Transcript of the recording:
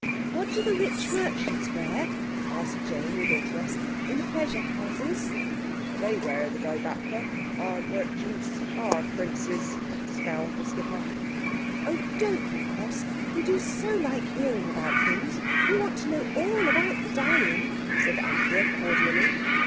"What do the rich merchants wear," asked Jane, with interest, "in the pleasure houses?" "They wear the dibaptha. Our merchants are princes," scowled the skipper. "Oh, don't be cross, we do so like hearing about things. We want to know all about the dyeing," said Anthea cordially.